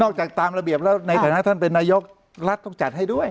จากตามระเบียบแล้วในฐานะท่านเป็นนายกรัฐต้องจัดให้ด้วย